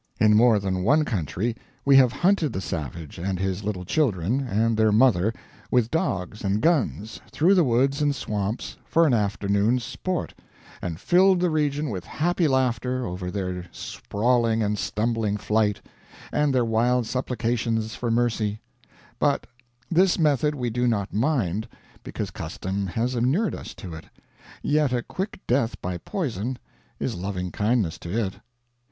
In more than one country we have hunted the savage and his little children and their mother with dogs and guns through the woods and swamps for an afternoon's sport, and filled the region with happy laughter over their sprawling and stumbling flight, and their wild supplications for mercy; but this method we do not mind, because custom has inured us to it; yet a quick death by poison is lovingkindness to it.